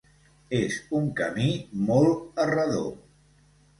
És un camí molt errador.